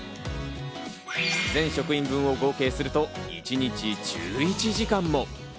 全職員分を合計すると一日１１時間も。